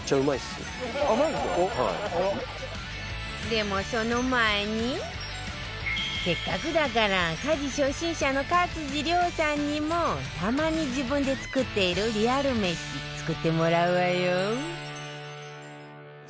でもその前にせっかくだから家事初心者の勝地涼さんにもたまに自分で作っているリアル飯作ってもらうわよ